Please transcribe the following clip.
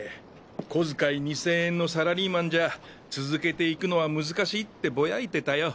小遣い２千円のサラリーマンじゃ続けていくのは難しいってぼやいてたよ。